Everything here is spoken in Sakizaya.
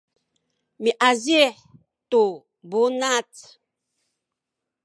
miazih tu bunac